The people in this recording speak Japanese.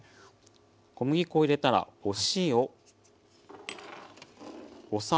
小麦粉を入れたらお塩お砂糖。